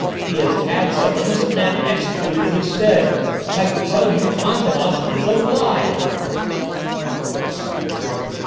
He has had some innocent man executed in his stead! I tell you Fantômas is alive!"